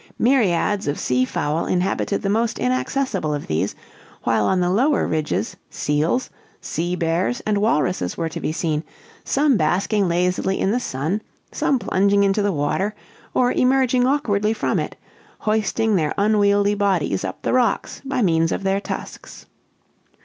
Myriads of sea fowl inhabited the most inaccessible of these, while on the lower ridges, seals, sea bears, and walruses were to be seen, some basking lazily in the sun, some plunging into the water, or emerging awkwardly from it, hoisting their unwieldy bodies up the rocks by means of their tusks.